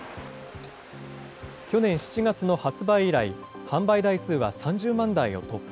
去年７月の発売以来、販売台数は３０万台を突破。